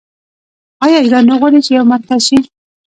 آیا ایران نه غواړي چې یو مرکز شي؟